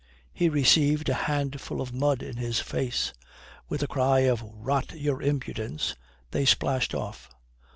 He received a handful of mud in his face. With a cry of "Rot your impudence," they splashed off.